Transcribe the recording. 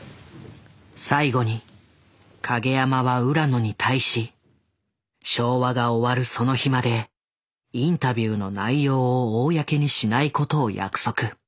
最後に影山は浦野に対し昭和が終わるその日までインタビューの内容を公にしないことを約束。